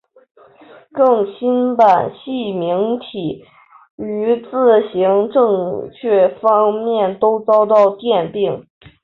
更新版细明体于字形正确方面都遭到诟病。